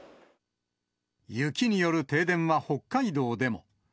雪による停電は北海道でも。